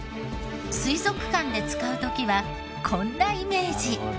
水族館で使う時はこんなイメージ。